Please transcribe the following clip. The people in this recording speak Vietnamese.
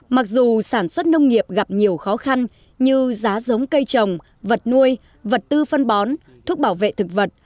nâng cao thu nhập gặp nhiều khó khăn như giá giống cây trồng vật nuôi vật tư phân bón thuốc bảo vệ thực vật